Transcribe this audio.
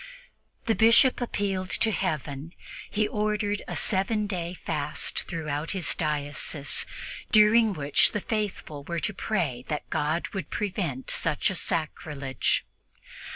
The Bishop appealed to Heaven. He ordered a seven days' fast throughout his diocese, during which the faithful were to pray that God would prevent such a sacrilege.